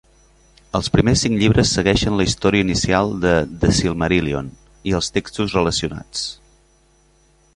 Els primers cinc llibres segueixen la història inicial de "The Silmarillion" i els textos relacionats.